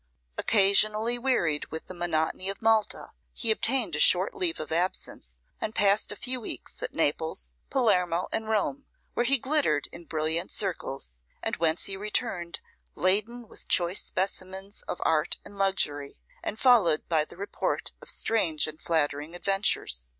Occasionally wearied with the monotony of Malta, he obtained a short leave of absence, and passed a few weeks at Naples, Palermo, and Rome, where he glittered in brilliant circles, and whence he returned laden with choice specimens of art and luxury, and followed by the report of strange and flattering adventures.